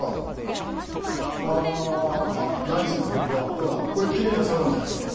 ほらこれきれいな砂岩じゃないですか。